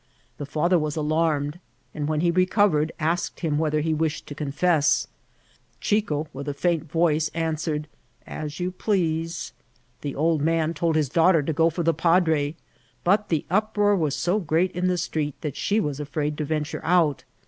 The &ther was alarmed, and when he recovered, asked him whether he wished to confess. Chico, with a £unt voice, answered, As you please. The old man told his daughter to go for the padre, but the uproar was so great in the street that she was afraid to venture out.